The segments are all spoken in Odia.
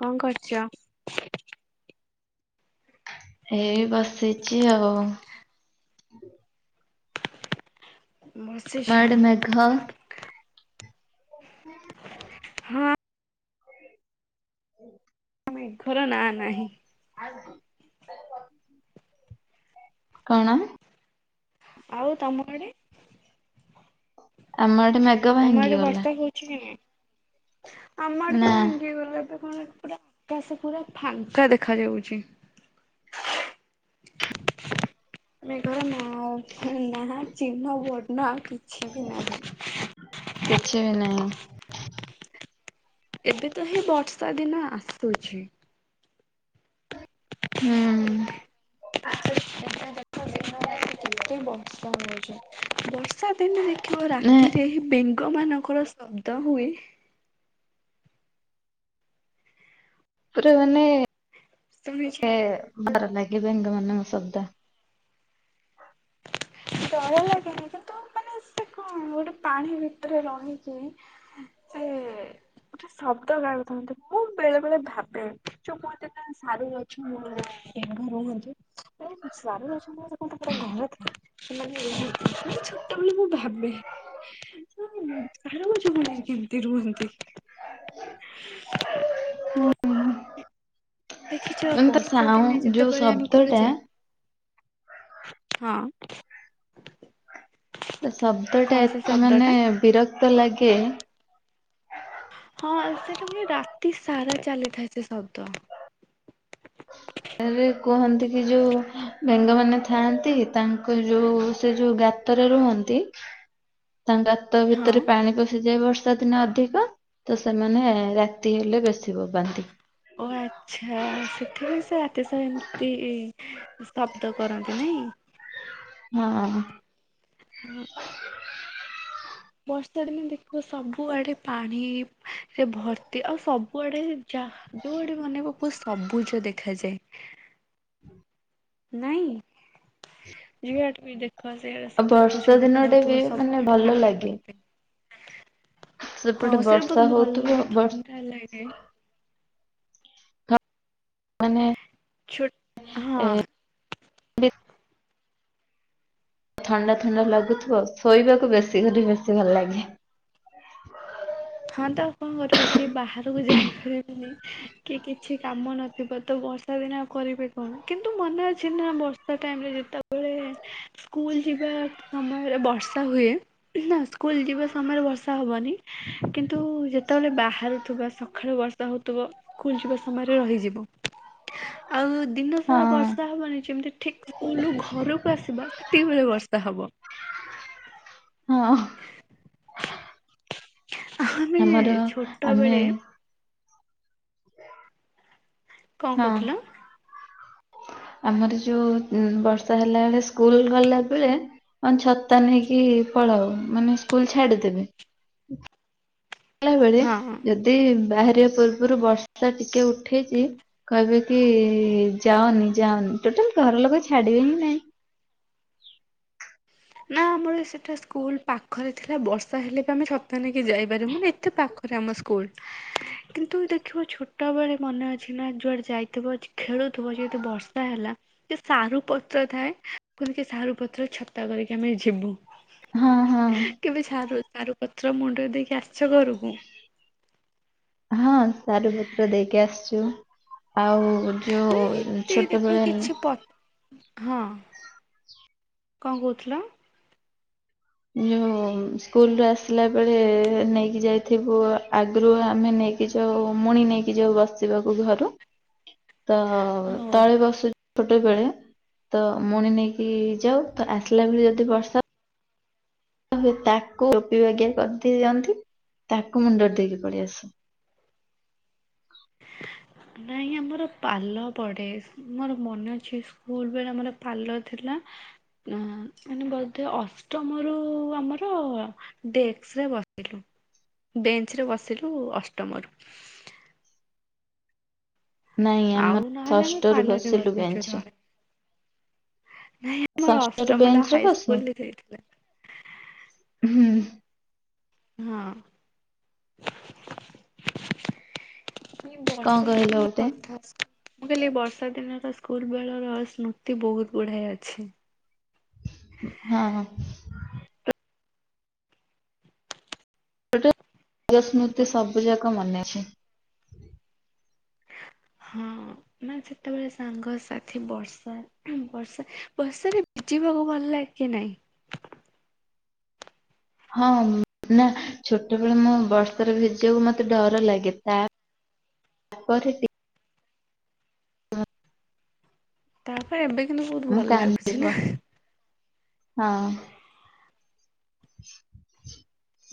କଣ କରୁଚ? ଏଇ ବସିଚି ଆଉ। ବସ୍ ମ ଆଡେ ମେଘ ହଁ ଏଇ ମେଘର ନାଁ ନାହିଁ। ଆଉ କଣ? ଆଉ ତମ ଆଡେ? ଆମ ଆଡେ ମେଘ ତମ ଆଡେ ଭାଙ୍ଗିଗଲା। ବର୍ଷା ହେ [unintelligible] ଆମଡ଼େ ନା ବି ଭାଙ୍ଗି ଗଲା ଏବେ କଣ ପୁରା। ତ, ସେ ପୁରା ଫାଙ୍କା ଦେଖାଯାଉଛି। ମେଘ ଟା ନହଉ। ନା, ଚିହ୍ନ ବର୍ଣ୍ଣ ଆଉ କିଛି ବି ନାହିଁ। କିଛି ବି ନାହିଁ। ଏବେ ତ ହେଇ ବର୍ଷା ଦିନ ଆସୁଛି। ହୁଁ। ରା କେତେ ବର୍ଷା ହଉଛି, ବର୍ଷା ଦିନେ ଦେଖିବ ନା ରାତିରେ ହେ ବେ ବେଙ୍ଗ ମାନଙ୍କର ଶବ୍ଦ ହୁଏ ପୁରା ମାନେ ଶୁଣିଛି। ତେ, ଡ଼ର ଲାଗେ ବେଙ୍ଗ ମାନଙ୍କ ଶବ୍ଦ। ଡର ଲାଗେ କିନ୍ତୁ ମାନେ ସେ କଣ, ଗୋଟେ ପାଣି ଭିତରେ ରହିକି, ସେ ଗୋଟେ ଶବ୍ଦ ଗାଉଥାନ୍ତି, ମୁଁ ବେଳେ ବେଳେ ଭାବେ, ଯୋଉ କୁହନ୍ତିନା ସାରୁ ଗଛ ମୂଳେ ବେଙ୍ଗ ରୁହନ୍ତି, କଣ ସାରୁ ଗଛ ମୂଳରେ ତାଙ୍କର ଗୋଟେ ଘର ଥାଏ? ସେମାନେ ଏଇଠି [unintelligible] ନାଇଁ ଛୋଟ ବୋଳୁ ମୁଁ ଭାବେ। କ ସାରୁ ଗଛ ମୂଳରେ କେମିତି ରୁହନ୍ତି? ହୁଁ ଦେଖିଛ, ବର୍ଷା ଦିନେ ଯେତେବେଳେ ଆମେ କୁଆଡ଼େ ଶବ୍ଦଟା ଯା ହଁ। ତ, ଶବ୍ଦ କଣ ଟା ସେ ଏତେ ଶବ୍ଦ ଟା ମାନେ ବିରକ୍ତ ଲାଗେ। ହଁ, ସେଟା ପୁଣି ରାତି ସାରା ଚାଲିଥାଏ ସେ ଶବ୍ଦ। [unintelligible] ରେ କୁହନ୍ତି କି ଯୋଉ, ବେଙ୍ଗମାନେ ଥାଆନ୍ତି, ତାଙ୍କ ଯୋଉ, ସେ ଯୋଉ ଗା ଗାତରେ ରୁହନ୍ତି, ତାଙ୍କ ଗାତ ହଁ ଭିତରେ ପାଣି ପଶି ଯାଏ ବ ବର୍ଷା ଦିନ ଅଧିକ, ତ ସେମାନେ ରାତି ହେଲେ ବେଶୀ ବୋବାନ୍ତି। ଓ ଆଛା, ସେଥିପାଇଁ ସେ ରାତିସାରା ଏମିତି ଶବ୍ଦ କରନ୍ତି, ନାଇଁ? ହଁ। ମୁ ବର୍ଷାଦିନେ ଦେଖିବ ସବୁଆଡେ ପାଣି ସେ ଭର୍ତ୍ତି ଆଉ ସବୁଆଡେ ଯା, ଯୋଉଆଡକୁ ଅନେଇବ ପୁ ସବୁଜ ଦେଖାଯାଏ। ନାଇଁ? ଯୁଆଡେ ବି ଦେ ଦେଖ ସେ, ସବୁଜ ବର୍ଷା ଦିନଟେ ବି ଦେଖାହେଉଥିବ, ମାନେ ସବୁ ଆଡେ ଭଲ ପାଣି ଲାଗେ ପରଫେକ୍ଟ ହଁ, ସେପଟେ ସେଇଟା ବର୍ଷା ବହୁତ ଭଲ ହଉଥିବ ଲାଗେ, ବର୍ଷ ଥଣ୍ଡା ଲାଗେ। ମାନେ ଛୁଟ ଏ। [unintelligible] ଥଣ୍ଡା ଥଣ୍ଡା ଲାଗୁଥିବ, ଶୋଇବାକୁ ବେଶୀ କରି, ବେଶୀ ଭଲ ଲାଗେ। ହଁ ତ ଆଉ କଣ କରିବି କି ବାହାରକୁ ଯାଇପାରିବିନି କି କିଛି କାମ ନ ଥିବ ତ ବର୍ଷା ଦିନ ଆଉ କରିବେ କଣ କିନ୍ତୁ ମନେ ଅଛି ନା ବର୍ଷା ଟାଇମ ରେ ଯେତେବେଳେ ସ୍କୁଲ ଯିବା ସମୟରେ ବର୍ଷା ହୁଏ ନା ସ୍କୁଲ ଯିବା ସମୟରେ ବର୍ଷା ହବନି। କିନ୍ତୁ ଯେତେବେଳେ ବାହାରୁଥିବା ସକାଳୁ ବର୍ଷା ହଉଥିବ ସ୍କୁଲ ଯିବା ସମୟରେ ରହିଯିବ। ଆଉ ଦିନ ସାରା ହଁ ବର୍ଷା ହବନି ଯେମତି ଠିକ ସ୍କୁଲ ଘରକୁ ଆସିବା ସେତିକି ବେଳେ ବର୍ଷା ହବ। ହଁ ଆମେ ଆମର ଆମେ ଛୋଟବେଳେ କଣ ହଁ କହୁଥିଲ? ଆମର ଯୋଉ ଉନ ବର୍ଷା ହେଲା ବେଳେ ସ୍କୁଲ ଗଲା ବେଳେ ମାନେ ଛତା ନେଇକି ପଳାଉ ମାନେ ସ୍କୁଲ ଛାଡିଦେବେ ଗଲା ବେଳେ ହଁ ଯଦି ବାହାରିବା ପୂର୍ବରୁ ବର୍ଷା ଟିକେ ଉଠେଇଚି କହିବେ କି ଯାଅନି ଯାଅନି ଟୋଟାଲ ଘର ଲୋକ ଛାଡିବେ ହିଁ ନାଇଁ ନା ଆମର ସେଟା ସ୍କୁଲ ପାଖରେ ଥିଲା ବର୍ଷା ହେଲେ ବି ଆମେ ଛତା ନେଇକି ଯାଇପାରିବୁ ମାନ ଏତେ ପାଖ ରାମ ସ୍କୁଲ୍। କିନ୍ତୁ ଦେଖିବ ଛୋଟବେଳେ ମନେ ଅଛି ନା ଯୁଆଡେ ଯାଇଥିବ ଖେଳୁଥିବ ଯେହେତୁ ବର୍ଷ ର୍ଷା ହେଲା କି ସାରୁ ପତ୍ର ଥାଏ କି ସାରୁ ପତ୍ର ଛତା କରିକି କେମିତି ଯିବୁ ହଁ ହଁ। କେବେ ସାରୁ ସାରୁ ପତ୍ର ମୁଣ୍ଡରେ ଦେଇକି ଆସିଛ ଘରକୁ? ହଁ ସାରୁ ପତ୍ର ଦେଇକି ଆସିଛୁ। ଆଉ ଯୋଉ ମାନେ ଏମିତି ଦେଖ ଛୋଟବେଳେ ନ କିଛି ପ ହଁ କଣ କହୁଥିଲ? ଯୋଉ ସ୍କୁଲ ରୁ ଆସିଲା ବେଳେ ନେଇକି ଯାଇଥିବୁ ଆଗରୁ ଆମେ ନେଇ କି ଯୋଉ ମୁଣି ନେଇକି ଯୋଉ ବସିବାକୁ ଘରୁ ତ ହଁ। ତଳେ ବସୁ ଛୋଟ ବେଳେ ତ ମୁଣି ନେଇକି ଯାଉ ତ ଆସିଲା ବେଳେ ଯଦି ବର୍ଷା ହୁଏ ତାକୁ ଟୋପି ବାଗିଆ କରିଦେଇଯାନ୍ତି ତାକୁ ମୁଣ୍ଡରେ ଦେଇକି ପଳେଇ ଆସୁ। ନାଇଁ ଆମର ପାଲ ପଡେ ମୋର ମନେ ଅଛି ସ୍କୁ ସ୍କୁଲ ବେଳେ ଆମର ପାଲ ଥିଲା ଅଁ ମାନେ ବୋଧେ ଅଷ୍ଟମରୁ ଆମର ଡେକ୍ସରେ ବସିଲୁ ବେଞ୍ଚ୍ ରେ ବସିଲୁ ଅଷ୍ଟମରୁ। ନାଇଁ ଆଉ ଆମର ନହେଲେ ଆମେ ଷଷ୍ଟ ରୁ ପାର୍ଲରରେ ବସିଲୁ ବସିଛୁ ବେଞ୍ଚ ରେ। ମୋର ଷଷ୍ଟରୁ ଅଷ୍ଟମ ଟା ବେଞ୍ଚ୍ ରେ ବସୁ? ହାଇସ୍କୁଲରେ ଯାଇଥିଲା। ହୁଁ ହଁ। ବର୍ଷା କଣ କହିଲ ଆସିଲାଣି ଗୋଟେ ତ କଥା ଆସୁନି। ମୁଁ କହିଲି ବର୍ଷା ଦିନର ସ୍କୁଲ ବେଳର ସ୍ମୃତି ବହୁତ୍ ଗୁଡାଏ ଅଛି। ହଁ। [inaudible] ହଁ ସ୍ମୃତି ସବୁ ଯାକ ମନେ ଅଛି। ହଁ ମାନେ ସେତେବେଳେ ସାଙ୍ଗସାଥି ବର୍ଷା ବର୍ଷା ବର୍ଷାରେ ଭିଜିବାକୁ ଭଲ୍ ଲାଗେ କି ନାଇଁ? ହଁ ନା ଛୋଟବେଳେ ମୁଁ ବର୍ଷାରେ ଭିଜିବାକୁ ମତେ ଡର ଲାଗେ ତା ତାପରେ ଟି ତାପରେ ଏବେ କିନ୍ତୁ ବହୁତ୍ ମୁଁ ଭଲ ଲାଗୁଚି କାନ୍ଦିବ ନା। ହଁ।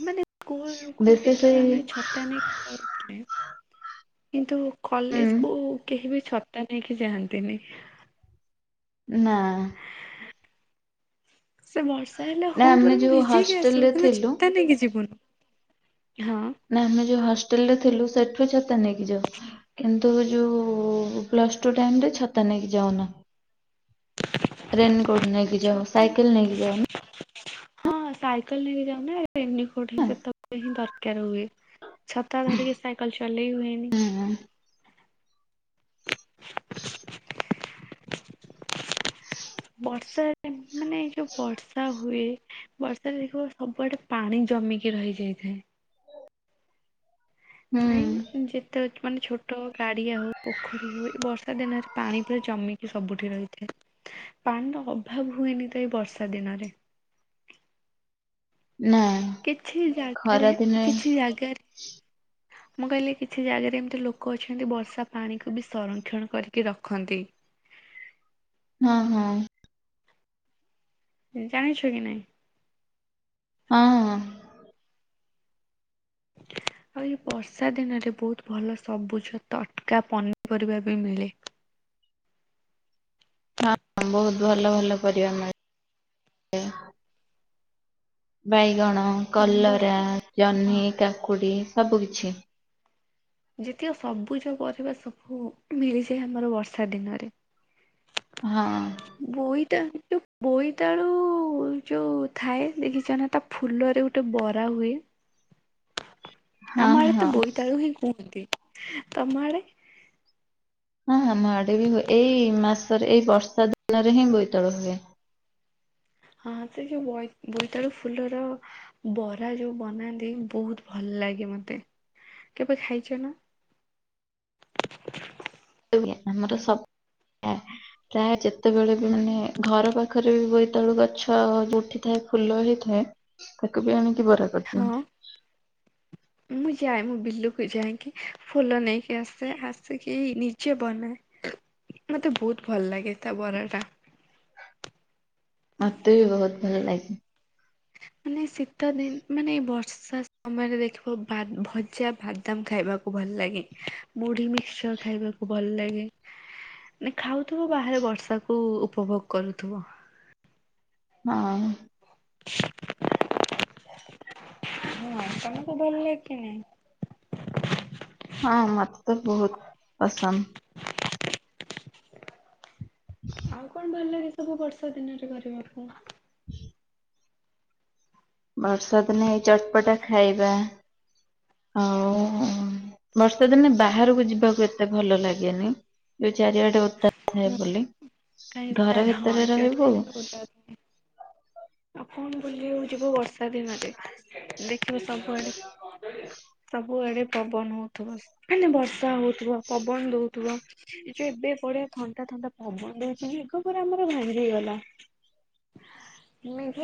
ମାନେ ସ୍କୁଲକୁ ବେଶୀ ବି ତ ସେଇ ଆମେ ଛତା ନେଇକି ପଳଉଥିଲେ। କିନ୍ତୁ ହୁଁ କଲେଜ୍ କୁ କେହି ବି ଛତା ନେଇକି ଯାଆନ୍ତିନି। ନା। ସେ ବର୍ଷ ର୍ଷା ହେଲେ ନା ହଉ ଆମେ ବଂର ଯୋଉ ଭିଜିକି ଆସିବୁ ହଷ୍ଟେଲରେ କିନ୍ତୁ ଥିଲୁ ଛତା ନେଇକି ଯିବୁନୁ ହଁ। ନା ଆମେ ଯଉ ହଷ୍ଟେଲ ରେ ଥିଲୁ ସେଠୁ ଛତା ନେଇକି ଯାଉ। କିନ୍ତୁ ଯୋଉ ପ୍ଲସ୍ ଟୁ ଟାଇମ୍ ରେ ଛତା ନେଇକି ଯାଉନା। ରେନିକୋଟ୍ ନେଇକି ଯାଉ ଛତା ସାଇକେଲ ନେଇକି ଯାଉ ନା। ହଁ ସାଇକେଲ୍ ନେଇକି ଯାଉନା ରେନିକୋଟ୍ ହିଁ ସେତେବେଳେ ହିଁ ଦରକାର୍ ହୁଏ। ଛତା ଧରିକି ସାଇକେଲ୍ ଚଲେଇ ହୁଏନି। ହୁଁ। ବର୍ଷାରେ ମାନେ ଏଇ ଯଉ ବର୍ଷା ହୁଏ ବର୍ଷାରେ ଦେଖିବ ସବୁଆଡେ ପାଣି ଜମିକି ରହିଯାଇଥାଏ। ହୁଁ ନାଇଁ ଯେ ଏତେ ମାନେ ଛୋଟ ଗାଡିଆ ହଉ ପୋଖରୀ ହଉ ଏ ବର୍ଷା ଦିନରେ ପାଣି ପୁରା ଜମିକି ସବୁଠି ରହିଥାଏ। ପାଣିର ଅଭାବ ହୁଏନି ତ ଏଇ ବର୍ଷା ଦିନରେ। ନା କିଛି ଜାଗାରେ ଖରା ଦିନେ କିଛି ଜାଗାରେ ମୁଁ କହିଲି କିଛି ଜାଗାରେ ଏମିତି ଲୋକ ଅଛନ୍ତି ବର୍ଷା ପାଣିକୁ ବି ସଂରକ୍ଷଣ କରିକି ରଖନ୍ତି। ହଁ ହଁ। ଜାଣିଛ କି ନାଇଁ? ହଁ। କହିଲି ବର୍ଷା ଦିନରେ ବହୁତ୍ ଭଲ ସବୁଜ ତଟକା ପନିପରିବା ବି ମିଳେ। ହଁ ବହୁତ୍ ଭଲ ଭଲ ପରିବା ମିଳେ। ବାଇଗଣ, ଆମ କଲରା, ବର୍ଷା ହଁ ଜହ୍ନି, କାକୁଡ଼ି ସବୁ କିିଛି। ଯେତିକ ସବୁଜ ପରିବା ସବୁ ମିଳିଯାଏ ଆମର ବର୍ଷା ଦିନରେ। ହଁ। ବୋଇତାଳୁ ଯଉ ବୋଇତାଳୁ ଯଉ ଥାଏ ଦେଖିଚ ନା ତା ଫୁଲରେ ଗୋଟେ ବରା ହୁଏ। ହଁ ଆମ ଆଡେ ତ ହଁ ବୋଇତାଳୁ ହିଁ କୁହନ୍ତି। ତମ ଆଡେ? ହଁ ଆମ ଆଡେ ବି ହୁଏ ଏଇ ମାସରେ ଏଇ ବର୍ଷା ଦିନରେ ହିଁ ବୋଇତାଳୁ ହୁଏ। ହଁ ସେ ଯଉ ବଇ ବୋଇତାଳୁ ଫୁଲର ବରା ଯୋଉ ବନାନ୍ତି ବହୁତ ଭଲ ଲାଗେ ମତେ। କେବେ ଖାଇଚ ନା? ହୁଏ ଆମର ସବ ଆ ପ୍ରାୟ ଯେତେବେଳେ ବି ମାନେ ଘର ପାଖରେ ବି ବୋଇତାଳୁ ଗଛ ଉଠିଥାଏ ଫୁଲ ହେଇଥାଏ ତାକୁ ବି ଆଣିକି ବରା ହଁ। କରିଦିଅନ୍ତି ମୁଁ ଯାଏ ମୁଁ ବିଲୁକୁ ଯାଇକି ଫୁଲ ନେଇକି ଆସେ ଆସିକି ନିଜେ ବନାଏ। ମତେ ବହୁତ ଭଲ ଲାଗେ ତା ବରା ଟା। ମତେ ବି ବହୁତ ଭଲ ଲାଗେ। ମାନେ ଶୀତ ଦିନ ମାନେ ବର୍ଷା ସମୟରେ ଦେଖିବ ଭା ଭଜା ଭା ଦମ୍ ଖାଇବାକୁ ଭଲ ଲାଗେ। ମୁଢି ମିକ୍ଶ୍ଚର ଖାଇବାକୁ ଭଲ ଲାଗେ। ମାନେ ଖାଉଥିବୁ ବାହାରେ ବର୍ଷା କୁ ଉପଭୋଗ କରୁଥିବ। ହଁ-ଅ। ହଁ, ତମକୁ ଭଲ ଲାଗେକି ନାହିଁ? ହଁ, ମତେ ତ ବୋହୁତ ପସନ୍ଦ। ଆଉ କଣ ଭଲ ଲାଗେ, ସବୁ ବର୍ଷା ଦିନରେ କରିବାକୁ? ବର୍ଷା ଦିନେ ଏଇ ଚଟ୍ ପଟା ଖାଇବା, ଆଉ-ଉଁ ବର୍ଷା ଦିନେ ବାହାରକୁ ଯିବାକୁ ଏତେ ଭଲ ଲାଗେନି। ଯୋଉ ଚାରିଆଡେବ ଓଦା ଥାଏ ନା ବୋଲି। କାହିଁ ତାର ଘର ହଁ ଭିତରେ ଯୋଉଠି ରହିବୁ ଓଦା ଆଉ ପୁଣି ବୁଲିବାକୁ ଯିବୁ ବର୍ଷା ଦିନରେ। ଦେଖିବୁ ସବୁଆଡେ ସବୁଆଡେ ପବନ ହଉଥୁବ। ମାନେ ବର୍ଷା ହଉଥୁବ, ପବନ ଦଉଥୁବ। ଏ ଯୋଉ ଏବେ ବଢିଆ ଥଣ୍ଡା ଥଣ୍ଡା ପବନ ଦଉଚି, ମେଘ ପୁରା ଆମର ଭାଙ୍ଗି ଗଲା।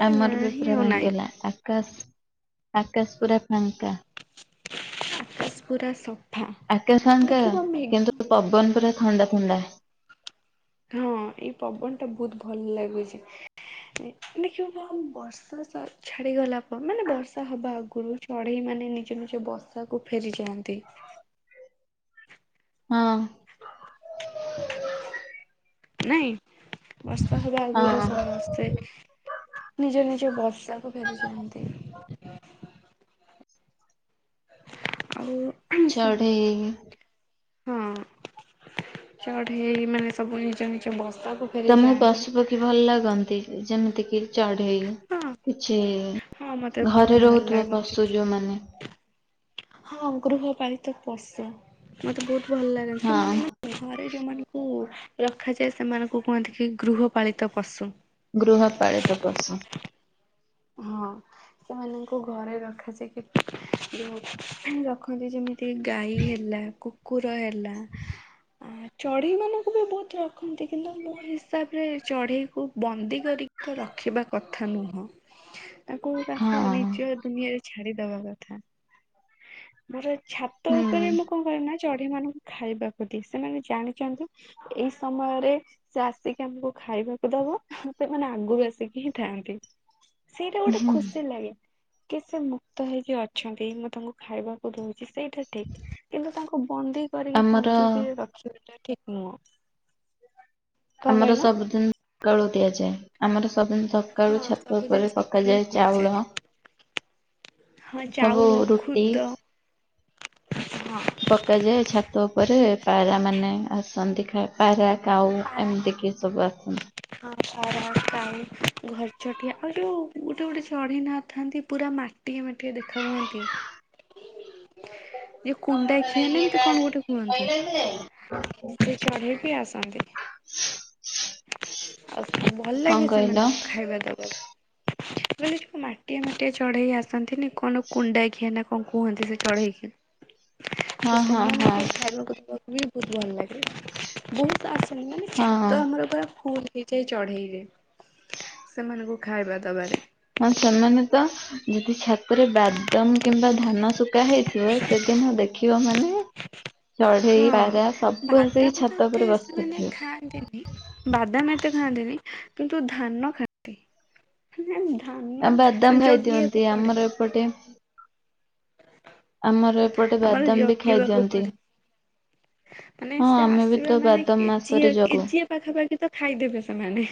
ଆମର ନାଁ ବି ହିଁ ପୁରା ଆଉ ନାଇଁ ଭାଙ୍ଗିଗଲା। ଆକାଶ ଆକାଶ ପୁରା ଫାଙ୍କା। ଆକାଶ ପୁରା ସଫ୍ ଆକାଶ ଫାଙ୍କା, କିନ୍ତୁ ପବନ ପୁରା ଥଣ୍ଡା ଥଣ୍ଡା। ହଁ, ଏଇ ପବନ ଟା ବୋହୁତ ଭଲ ଲାଗୁଚି। ଦେଖିବ ବ ବର୍ଷା ସା ଛାଡିଗଲା, ପ ମାନେ ବର୍ଷା ହବା ଆଗୁରୁ ଚଢେଇ ମାନେ ନିଜ ନିଜ ବସା କୁ ଫେରିଯାଆନ୍ତି। ହଁ। ନାଇଁ, ବର୍ଷା ହବା ଆଗୁରୁ ହଁ ସମସ୍ତେ ନିଜ ନିଜ ବସାକୁ ଫେରିଯାଆନ୍ତି। ଆଉ ହୁଁ। ଚଢ଼େଇ- ଇ ହଁ, ଚଢେଇ ମାନେ ସବୁ ନିଜ ନିଜ ବସାକୁ ତମୁକୁ ଫେରିଯାଆନ୍ତି। ପଶୁପକ୍ଷୀ ଭଲ ଲାଗନ୍ତି? ଯେମତି କିି ଚଢେଇ ହଁ କିଛି-ଇ, ହଁ ମତେ ବହୁତ ଘରେ ଭଲ ରହୁଥିବା ଲାଗନ୍ତି। ପଶୁ ଯୋଉମାନେ ହଁ, ଗୃହପାଳିତ ପଶୁ ମତେ ବହୁତ ଭଲ ଲାଗନ୍ତି। ମାନେ ହଁ ମାନେ ଘରେ ଯୋଉମାନଙ୍କୁ ରଖାଯାଏ। ସେମାନଙ୍କୁ କୁହନ୍ତି କି ଗୃହପାଳିତ ପଶୁ। ଗୃହ ପାଳିତ ପଶୁ। ହଁ, ସେମାନଙ୍କୁ ଘରେ ରଖାଯାଇ କି, ଜଉ ରଖନ୍ତି ଯେମିତି ତି, ଗାଈ ହେଲା, କୁକୁର ହେଲା ଆ ଚଢ଼େଇମାନଙ୍କୁ ବି ବହୁତ ରଖନ୍ତି, କିନ୍ତୁ ମୋ ହିସାବରେ ଚଢ଼େଇକୁ ବନ୍ଦୀ କରି ତ ରଖିବା କଥା ନୁହଁ। ତାକୁ ତାଖ ହଁ ନିଜ ଦୁନିଆରେ ଛାଡିଦବା କଥା। ମୋର ଛାତ ହୁଁ ଉପରେ ମୁଁ କଣ କରେନା, ଚଢେଇ ମାନଙ୍କୁ ଖାଇବାକୁ ଦିଏ, ସେମାନେ ଜାଣିଛନ୍ତି। ଏଇ ସମୟରେ ସେ ଆସିକି ଆମକୁ ଖାଇବାକୁ ଦବ। ସେମାନେ ଆଗୁରୁ ଆସିକି ହିଁ ଥାନ୍ତି। ସେଇଟା ଗୋଟେ ହୁଁ ଖୁସି ଲାଗେ କି, ସେ ମୁକ୍ତ ହେଇକି ଅଛନ୍ତି। ମୁଁ ତାଙ୍କୁ ଖାଇବାକୁ ଦଉଛି, ସେଇଟା ଠିକ୍ କିନ୍ତୁ ତାଙ୍କୁ ବନ୍ଦୀ କରିକି ଆମର ପଞ୍ଜୁରୀରେ ରଖ ସେଇଟା ଠିକ୍ ନୁହଁ। କଣ ଆମର କହିଲ? ସବୁଦିନ ସକାଳୁ ଦିଆଯାଏ। ଆମର ସବୁଦିନ ସକ ସକାଳୁ ହଁ ଛାତ ସବୁଦିନ ଉପରେ ସକାଳୁ ପକାଯାଏ, ଦିଆଯାଏ। ଚାଉଳ ହଁ ସବୁ ଚାଉଳ ରୁଟି ଖୁଦ ହଁ ପକାଯାଏ। ଛାତ୍ ତୋପରେ ପାରା ମାନେ ଆସନ୍ତି, ଖ ପାରା କାଉ ପାରା ଏମିତି କିି ସବୁ ଆସନ୍ତି। ହଁ ପାରା କାଉ ଘ ଚଟିିଆ ଆଉ ଯୋଉଁ ଗୋଟେ ଗୋଟେ ଚଢ଼େଇ ନଥାନ୍ତି ପୁରା ମାଟିଏ ମାଟିଏ ଦେଖା ହୁଅନ୍ତି? ଯୋଉ ଟା କୁଣ୍ଡାଖିଆ ଅଛି ନା ଏମିତି କଣ ଗୋଟେ କୁହନ୍ତି। କହିବା କି ଯାଇ। [inaudible] ସେ ଚଢେଇ ବିି ଆସନ୍ତି। ଆଉ ଭଲ ଲାଗେ କଣ କହିଲ? ସେମାନଙ୍କୁ ଖାଇବା ଦବାକୁ। ମାନେ ଯଉଁ ମାଟିଆ ମାଟିଆ ଚଢ଼େଇ ଆସନ୍ତିନି କଣ କୁଣ୍ଡା ଖିଆ ନା କଣ କୁହନ୍ତି ସେ ଚଢ଼େଇକି। ହଁ ତ ହଁ ହଁ ସେମାନଂକୁ ଖାଇବାକୁ ଦେବାକୁ ବି ବହୁତ ଭଲ ଲାଗେ ବହୁତ ଆସନି ମାନେ ହଁ। ଛାତ ଆମର ପୁରା ଫୁଲ। ହେଇଯାଏ ଚଢେଇରେ ସେମାନଙ୍କୁ ଖାଇବା ଦବାରେ। ହଁ ସେମାନେ ତ ଯଦି ଛାତରେ ବାଦାମ କିମ୍ବା ଧାନ ଶୁଖା ହେଇଥିବ ସେଦିନ ଦେଖିବ ମାନେ ଚଢେଇ ହଁ ପାରା ସବୁ ଆସିକି ବାଦାମ ତ ଛାତ ଏତେ ଉପରେ ବସି ସେମାନେ ପଡିଥିବେ। ଖାଆନ୍ତିନି। ବାଦାମ ଏତେ ଖାଆନ୍ତିନି କିନ୍ତୁ ଧାନ ଖାଆନ୍ତି। କେଜାଣି ଧାନ ଜଗିବାକୁ ପଡେ। ପଟେ। ଆମର ଏପଟେ ଆମର ବାଦାମ ବି ଜଗିବାକୁ ଖାଇଦିଅନ୍ତି। ପଡେ। ମାନେ ହଁ ସେ ଆମେ ବି ତ ଆସିବେ ମାନେ ବାଦମ କେଜିଏ ମାସରେ ଜଗୁ। କେଜିଏ ପାଖାପାଖି ତ ଖାଇଦେବେ ସେମାନେ।